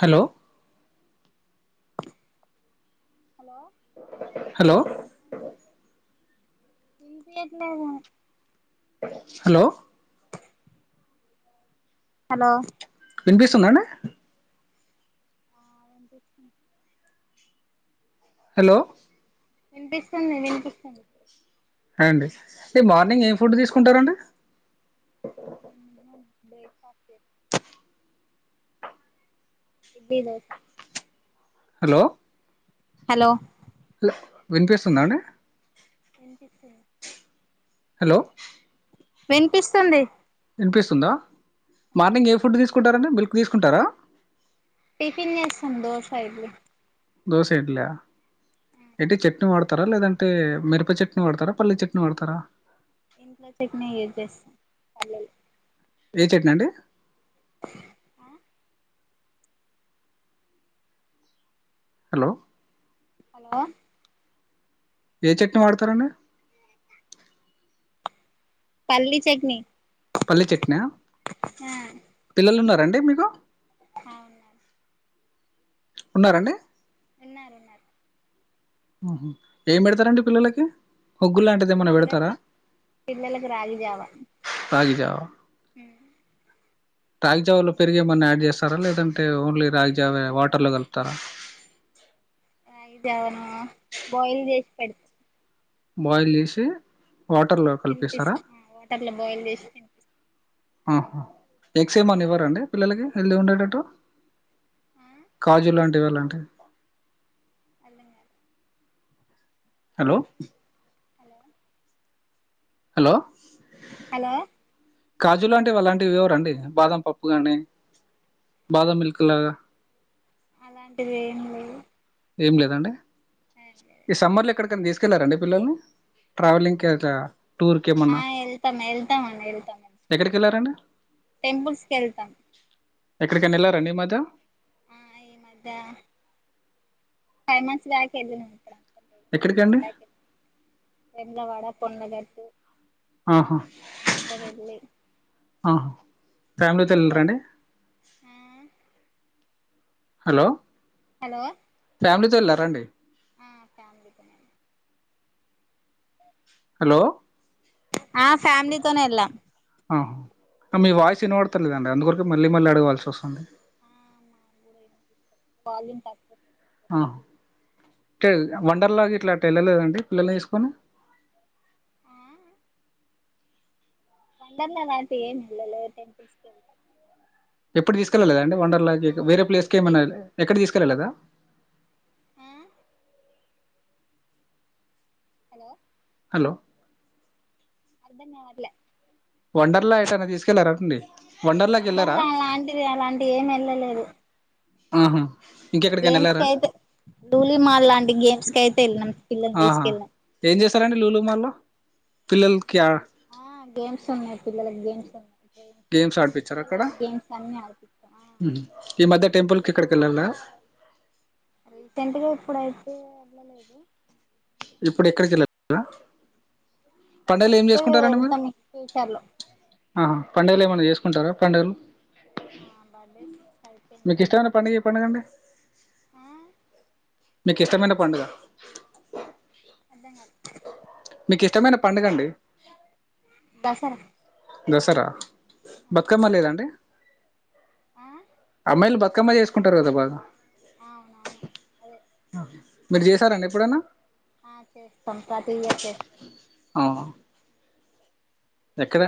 Hello hello hello ఇంపియట్లేదు hello hello వినిపిస్తుందా అండి వినిపిస్తుంది హలో వినిపిస్తుంది వినిపిస్తుంది హాయ్ అండి ఈ మార్నింగ్ ఏం ఫుడ్ తీసుకుంటారండి ఉమ్ బేక్ ఫాస్ట్ ఏయ్ ఇడ్లీ దోశ హలో హలో వినిపిస్తుందా అండి వినిపిస్తుంది హలో వినిపిస్తుంది వినిపిస్తుందా మార్నింగ్ ఏం ఫుడ్ తీసుకుంటారండి మిల్క్ తీసుకుంటారా టిఫిన్ చేస్తాం దోశ ఇడ్లీ దోశ ఇడ్లీ ఆ ఏంటి చేట్నీ వాడతారా లేదంటే మిరప చేట్నీ వాడతారా పల్లీ చేట్నీ వాడతారా ఇంట్లో చేట్నీ యూస్ చేస్తాం పల్లీ లు ఏ చేట్నీ అండి ఆ హలో హలో ఏ చేట్నీ వాడతారు అండి పల్లీ చేట్నీ పల్లీ చేట్నీ ఆ పిల్లలు ఉన్నారా అండి మీకు హా ఉన్నారు ఉన్నారా అండి ఉన్నారు ఉన్నారు ఉహు ఏం పెడతారండి పిల్లలకి ఒగ్గులు లాంటిది ఏమన్నా పెడతారా పిల్లకి [unintelligible] పిల్లకి రాగి జావా రాగి జావా ఉ హ రాగిజావాలో పెరుగు ఏమి అన్న యాడ్ చేస్తారా లేదంటే ఓన్లీ రాగిజావే వాటర్లో కలుపుతారా రాగి జావా ను బాయిల్ చేసి పెడ్ బాయిల్ చేసి వాటర్ లో తినిపిస్తా ఆ వాటర్లో బాయిల్ చేసి తినీ ఆహా ఎగ్స్ ఏం అన్నా ఇవ్వరా అండి పిల్లలకి హెల్దీ ఉండే టట్టు అర్థం కాజు లాంటివి అలాంటివి అర్థం కాలే హలో హలో హలో హలో కాజు లాంటివి ఎలాంటివి ఇవ్వరా అండి బాదం పప్పు కానీ బాదం మిల్క్ లాగా అలాంటి వి ఏం లేదు ఏం లేదండి ఈ సమ్మర్ లో ఎక్కడికన్నా తీసి తీసుకెళ్లారండి పిల్లల్ని ట్రావెలింగ్ కి అట్లా టూర్కి ఆ ఏమన్నా వెళ్తాం వెళ్తాం అండి వెళ్తాం ఎక్కడికి వెళ్ళారండి టెంపుల్స్ కి వెళ్తాం ఎక్కడికైనా వెళ్లారండి ఈ మధ్య ఆ ఈ మధ్య ఫైవ్ మంత్స్ బ్యాక్ వెళ్లినం ఇక్కడంత ఎక్కడికండి బ్యాక్ వెళ్ [unintelligible] వేములవాడ కొండగట్టు ఆహా హా ఫ్యామిలీతో వెళ్ళరాండి తిరుపతి ఆ హలో హలో ఫ్యామిలీతో వెళ్ళారండి ఆ ఫ్యామిలీతోనండి హలో ఆ ఫ్యామిలీతోనే వెళ్ళాం ఆ మీ వాయిస్ విన్వడతలేదండి అందుకోసం మళ్ళీ మళ్ళీ అడగవల్సి వస్తుంది ఆ వాల్యూమ్ తక్కువుంది ఆ టెల్ వండర్లాకి ఇట్లా వెళ్ళలేదండి పిల్లల్ని వేసుకొని ఆ వండర్లా లాంటి ఏం వెళ్లలేదు టెంపుల్స్ కెళ్లాం ఎప్పుడు తీసుకెళ్లేదండి వండర్లా కి ఆ వేరే ప్లేస్కి ఏమైనా ఎక్కడ తీసుకెళ్లేదా ఆ హలో హలో అర్థం కావట్లా వండర్ లా ఎటైనా తీసుకెళ్లరాండి వండర్లా అలాంటివి అలాంటివి ఏం వెళ్ళలేదు ఆహా ఇ గేమ్స్ కయితే లూలు మాల్ లాంటి గేమ్స్ కయితే వెళ్ళినాం పిల్లల్ని ఆహా తీసుకెళ్ళినాం ఏం చేసారండి లూలు మాల్లో పిల్లలకి ఆ ఆ గేమ్స్ ఉన్నాయి పిల్లలకి గేమ్స్ ఉన్నాయి గేమ్స్ ఆడిపించారు పిల్లలు అక్కడ ఆడే గేమ్స్ అన్ని ఆడిపిచ్చాం ఆ ఈ మధ్య టెంపుల్ కి ఎక్కడికి వెళ్ళలా రీసెంట్గా ఇప్పుడైతే వెళ్ళలేదు ఇప్పుడు ఎక్కడికి వెళ్లలేదా వెళ్తే మీరు వెళ్తాం ఫ్యూచర్ లో ఆహా పండుగలు ఏమన్నా చేసుకుంటారా పండుగలు ఆ బర్డేస్కి మీకు చనిపోయిందండి మా ఇష్టమైన పండుగ ఏ అత్తయ్య పండుగ అండి ఆ [unintelligible] మీకు ఇష్టమైన పండుగ అర్థం కాలా మీకు ఇష్టమైన పండుగ అండి దసరా దసరా బతుకమ్మ లేదాండి ఆ అమ్మాయిలు బతుకమ్మ చేసుకుంటారు కదా బాగా అవునవును అదే మీరు చేసార అండి ఎప్పుడన్నా ఆ చేస్తం ప్రతీ ఇయర్ చే ఆహ ఎక్కడ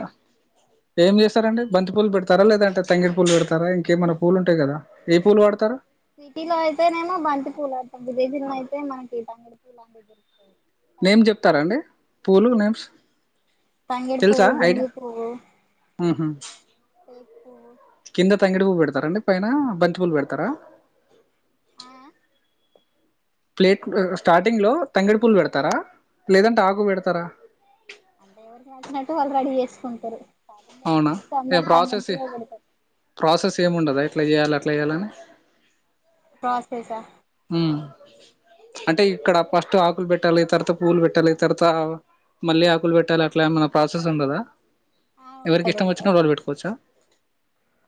ఏం చేస్తారండి బంతి పూలు పెడతారా లేదంటే తంగేడు పూలు పెడతారా ఇంకేమన్నా పూలు ఉంటాయి కదా ఏ పూలు వాడతారా సిటీలో అయితేనేమో బంతి పూలు ఆడతం విలేజీ లో నయితే మనకీ తంగెడు పూలు నేమ్స్ పల్లెటూర్లలో చెప్తారాండి పూలు నేమ్స్ తంగేడు తెలుసా పువ్వు ఐడియా గునుగు పువ్వు ఉహు టెక్ పూ కింద తంగెడు వువ్వు పెడతారండి పైన బంతి పువ్వులు పెడతారా ఆ ప్లేట్ స్టార్టింగ్లో తంగెడి పువ్వు పెడతారా లేదంటే ఆకు పెడతారా అంటే ఎవరికి నచ్చినట్టు వాళ్ళు రెడీ చేసుకుంటారు స్టార్టింగ్ అవునా ఆల్మోస్ట్ ఇగ అందరు తంగెడు ప్రాసెస్ పువ్వే పెడతారు ప్రాసెస్ ఏమి ఉండదా ఇట్లా చేయాలి అట్లా చేయాలని ప్రాసెస హమ్ అంటే ఇక్కడ ఫస్ట్ ఆకులు పెట్టాలి తర్వాత పూవులు పెట్టాలి తర్వాత మళ్ళీ ఆకులు పెట్టాలి అట్లా ఏమైన్నా ప్రాసెస్ ఉండదా ఆ ఎవరికి ఉంటది ఇష్టం వచ్చిన ఉంటది వాలు పెట్టుకోవచ్చా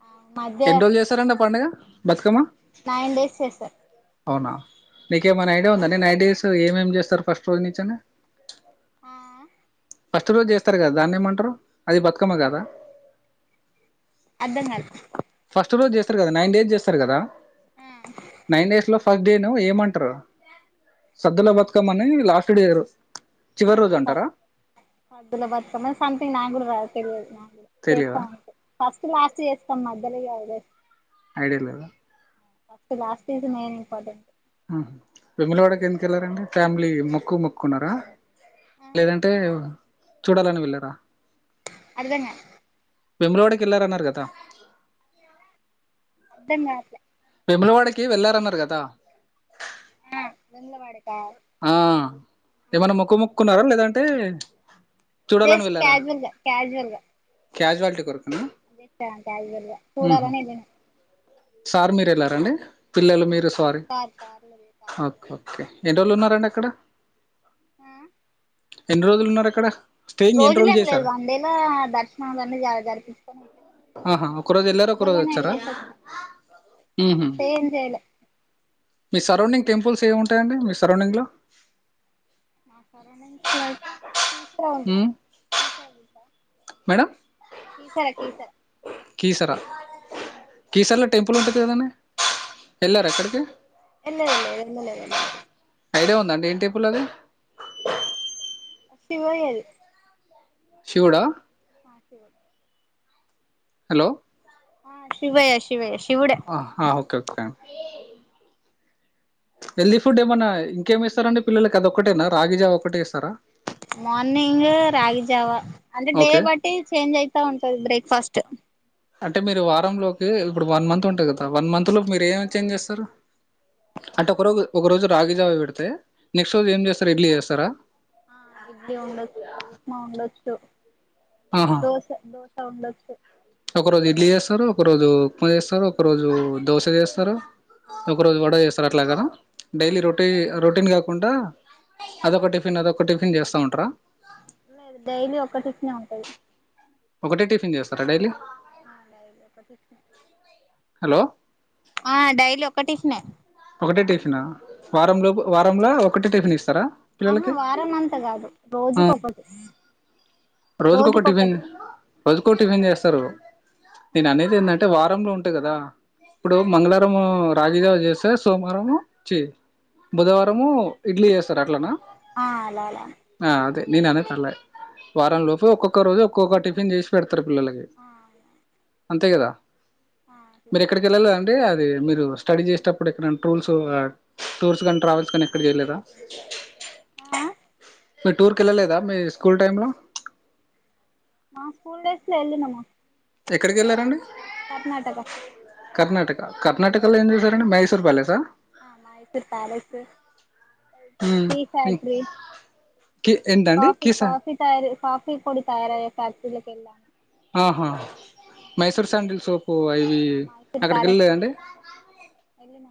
ఆ మధ్య ఎన్ని రోజులు చేస్తారండి ఆ పండుగ బతుకమ్మ నైన్ డేస్ చేస్తారు అవునా నీకేమనా ఐడియా ఉందండి నైట్ డేస్ ఏమేమి చేస్తారు ఫస్ట్ రోజు నుంచి అని ఆ ఫస్ట్ రోజు చేస్తారు కదా దాన్ని ఏమంటారు? అది బతుకమ్మ కదా అర్థం కాలే ఫస్ట్ రోజు చేస్తారు కదా నైన్ డేస్ చేస్తారు కదా ఆ నైన్ డేస్లో డేను ఏమంటారు ఆ సద్దుల బతుకమ్మ అని లాస్ట్ డే చివరి రోజు అంటారా సద్దుల బతుకమ్మ సథింగ్ నాగూడ రాద్ తెలియదు నాగుడ చేస్తా తెలీదా ఉంటే ఫస్ట్ లాస్ట్ చేస్తాం మధ్యలిగా లే ఐడియా లేదా first last is main important ఆహా వేములవాడకి ఎందుకెళ్లారండి? ఫ్యామిలీ మొక్కు మొక్కున్నారా లేదంటే చూడాలని వెళ్ళరా అర్థం కాలే వేములవాడ కెల్లారన్నారు కదా అర్థం గాట్లే వేములవాడకి వెళ్ళారన్నారు కదా ఆ వేములవాడకా ఆ ఆ ఏమన్నా మొక్కు మొక్కుకున్నారా లేదంటే చూడాలని జస్ట్ కాజువల్గా కాజువల్గా క్యాజువాలటీ కొరకునా అదే క్యజువల్గా ఉహు చూడాలని ఏళ్లినం సార్ మీరు వెళ్ళారండి పిల్లలు, మీరు సార్ కార్ కార్ లో కార్ ఓకే ఓకే ఎన్నిరోజులున్నారండి అక్కడ ఉమ్ ఎన్ని రోజులు ఉన్నారు అక్కడ స్టేయింగ్ ఎన్ని రోజులు రోజులేం లేదు చేశారు వన్ డేలో దర్శనాలాన్ని జరిపించ్చు ఆహా ఒక రోజు ఎల్లారు ఒక రోజచ్చారా వచ్చినం అక్కడ ఉహు స్టే ఏం చేయలే మీ సరౌండింగ్ టెంపుల్స్ ఏమి ఉంటాయండి మీ సరౌండింగ్లో మా సరౌండింగ్స్ లో అయితే తీసురావాలి మ్మ్ తీసాలంట మేడం టీసర టీసర కీసరా కీసర్లో టెంపుల్ ఉంటుంది కదడి వెళ్ళారా అక్కడికి వెల్లలేదు వెళ్ళలేదు ఐడియా ఉందండి ఏమ్ టెంపుల్ అది ఫ్యూయల్ శివుడా సేవండి హలో శివయ శివయ శివుడే హా ఓకే ఓకేండి హెల్తీ ఫుడ్ ఏమైనా ఇంకేమి ఇస్తార అండి పిల్లలకిఅదొక్కటేన రాగిజావ వక్కటే ఇస్తారా మార్నింగ్ రాగిజావా అంటే డే ఓకే బట్టి చేంజ్ అయితా ఉంటది బ్రేక్ఫాస్ట్ అంటే మీరు వారంలోకి ఇప్పుడు వన్ మంత్ ఉంటది కదా వన్ మంత్ లో మీరు ఏమ్ ఎక్చేంజ్ చేస్తారు అంటే ఒక రోజు ఒక రోజు రాగిజావ పెడితే నెక్స్ట్ రోజు ఏం చేస్తారా ఇడ్లీ చేస్తారా ఆ ఇడ్లీ ఉండొచ్చు ఉప్మా ఉండొచ్చు ఆహా దోస దోస ఉండొచ్చు ఒక రోజు ఇడ్లీ చేస్తారు ఒక రోజు ఉప్మా చేస్తారు ఒక రోజు దోశ చేస్తారు ఆ ఒక రోజు వడ చేస్తారు అట్లాగదా ఆ డైలీ అట్లా రొటీ డిఫరెంట్ రొటీన్ డిఫరెంట్ కాకుండా అదొక టిఫిన్ అదొక టిఫిన్ చేస్తా ఉంటారా డైలీ ఒక టిఫిన్ ఉంటది ఒకటే టిఫిన్ చేస్తారా డైలీ లైవ్ లోకి వచ్చి హలో ఆ డైలీ ఒక టిఫిన్ ఏ ఒకటే టిఫిన్ ఆ వారంలోపు వారంలో ఒకటే టిఫిన్ ఇస్తారా ఆహా పిల్లలకి వారం అంతా కాదు రోజుకొకటి రోజుకోక టిఫిన్ రోజుకొకటి రోజుక ఒక టిఫిన్ చేస్తారు నేను అనేది ఏంటంటే వారా లో ఉంటాయి కదా ఇప్పుడు మంగళారంము రాగి జావ చేస్తే సోమవారము చి బుధవారము ఇడ్లీ చేస్తారు అట్లనా ఆ అలా అలా ఆ అదే నేను అనే తర్లే వారం లోపు ఒక్కొక్క రోజు ఒక్కొక్క టిఫిన్ చేసి పెడతారు పిల్లలకి ఆ అంతే కదా అట్లా మీరు ఎక్కడికి వెళ్ళలేదండి అది మీరు స్టడీ చేసటప్పుడు ఎక్కడన్న టూల్స్ టూర్స్ గాని ట్రావెల్స్ గాని ఎక్కడా చేయలేదా ఆ మీ టూర్ కేళ్ళలేదా మీ స్కూల్ టైమ్ లో మా స్కూల్ డేస్ లో వెళ్ళినమ్ ఎక్కడికి వెళ్ళారండి కర్ణాటక కర్ణటక కర్నాటకలో ఏం చేసారండి మైసూర్ ప్యాలెసా మైసూర్ ప్యాలెస్ టీ మ్మ్. ఫ్యాక్టీ కి ఏంటండి కాఫీ కీసా కాఫీ తయారు కాఫీ పొడి తయారయ ఫాక్టరీలోకి వెళ్ళమండి ఆహా మైసూర్ శాండిల్ సోపు అవి ఆ అక్కడికి వెళ్ళలేదండి ఎల్లిన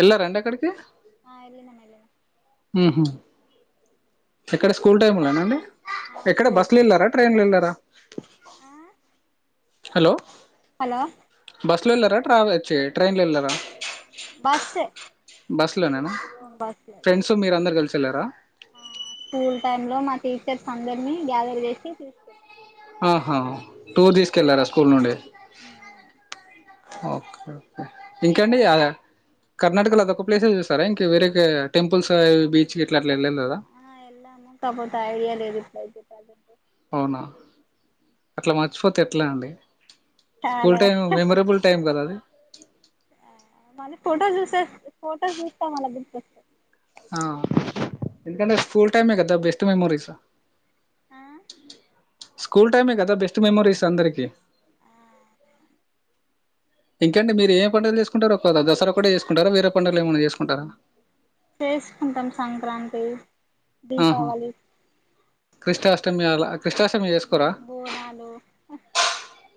ఎల్లారా అండి అక్కడికి ఆ ఎల్లినాం [unintelligible] ఊహూ ఎక్కడ స్కూల్ టైమ్లోనా అండి ఆ ఎక్కడ స్కూల్ బస్లో టైం వెళ్ళారా ట్రైన్లో వెళ్ళారా ఆ హలో హలో బస్ లో వెళ్ళారా ట్రావెల్ చ్చి ట్రైన్ లో వెళ్ళారా. బస్సే బస్సులో నేనా బస్సే ఫ్రెండ్స్ మీరందరూ కలిసి వెళ్లారా స్కూల్ టైమ్లో మా టీచర్స్ అందరినీ గ్యాదర్ చేసి తీసుకెళ్ళాం ఆహా టూర్ తీసుకెళ్ళారా స్కూల్ నుండి ఓకే ఇంకండి కర్ణాకలో అదొక్క ప్లేసే చూసరా ఇంకా వేరే టెంపుల్స్వి బీచ్ ఇట్లా అట్లా వెళ్ళలేదా ఆ వెళ్ళాము కాపోతే ఐడియా లేదు ప్రజెంట్ [inaudible] అవునా అట్లా మర్చిపోతే ఎట్లా అండి స్కూల్ చాలా టైం మెమొరబుల్ టైం కదా అది మళ్ళీ ఫోటోస్ చూస్తే ఫోటోస్ చూస్తా మల్ల గుర్తోస్ ఆ ఎందుకంటే స్కూల్ టైమే కదా బెస్ట్ మెమోరీస్ ఆ స్కూల్ టైమే కదా బెస్ట్ మెమోరీస్ అందరికీ ఇంకండి మీరు ఏం పండుగలు చేసుకుంటారు ఒక దసరా ఒకటే చేసుకుంటారా వేరే పండుగలు ఏమన్నా చేసుకుంటారా చేసుకుంటాం సంక్రాంతి ఆహా దీపావళి కృష్ణాష్టమి అలా కృష్ణాష్టమి చేసుకో బోనాలు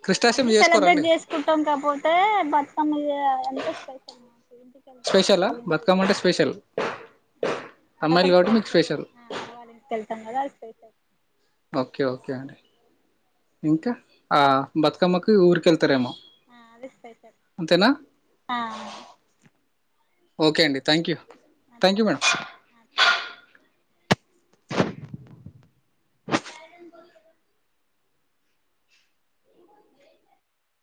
కృష్ణాష్టమి అన్ని సెలబ్రేట్ చేసుకోరండి చేస్ కుట్టం కాపోతే బతుకమ్మ అంటే స్పెషల్ మాకు ఇంటి వెళ్తాం మా అమ్మ స్పెషలా వల్ల ఇంటికి బతుకమ్మ అంటే స్పెషల్ అమ్మాయిలు అదొక్కటి కాబట్టి మీకు స్పెషల్ మా అమ్మ వల్ల ఇంటికి వెళ్తాం కదా అది స్పెషల్ ఓకే ఓకే అండి ఇంకా ఆ బతుకమ్మకి ఊరికెళ్తారేమో ఆ అది స్పెషల్ అంతేనా ఆ ఓకే అండి thank you thank you madam a